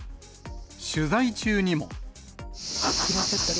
取材中にも。